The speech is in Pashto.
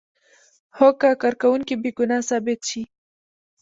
هو که کارکوونکی بې ګناه ثابت شي.